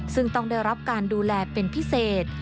ซึ่งต้องได้รับการดูแลเป็นพิเศษ